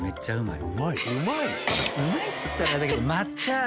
うまいっつったらあれだけど。